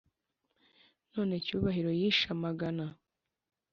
none cyubahiro yishe amagana